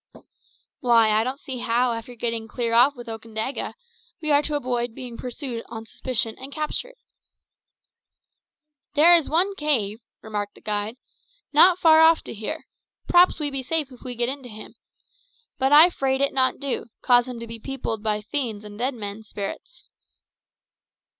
"Why, I don't see how, after getting clear off with Okandaga, we are to avoid being pursued on suspicion and captured." "Dere is one cave," remarked the guide, "not far off to here. P'raps we be safe if we git into 'im. But I 'fraid it not do, cause him be peepiled by fiends an' dead man's spirits."